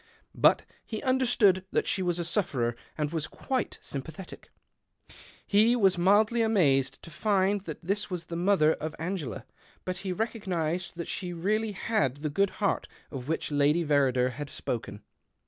But he understood that she was a sufferer, md was quite sympathetic. He was mildly imazed to find that this was the mother of 172 THE OCTAVE OF CLAUDIUS. iVngela, but lie recognized that she really had the good heart of which Lady Verrider had spoken.